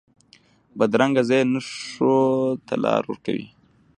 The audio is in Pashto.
بدرنګه ذهن نه ښو ته لار ورکوي